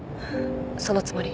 そのつもり。